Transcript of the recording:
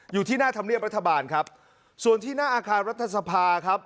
อยู่ที่หน้าธรรมเนียบรัฐบาลครับส่วนที่หน้าอาคารรัฐสภาครับ